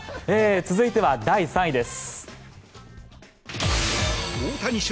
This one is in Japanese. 続いては第３位です。